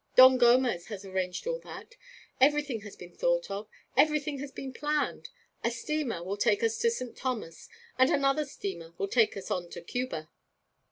'Don Gomez has arranged all that everything has been thought of everything has been planned. A steamer will take us to St. Thomas, and another steamer will take us on to Cuba.'